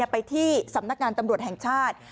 ไปที่สำนักงานตำรวจแห่งชาติ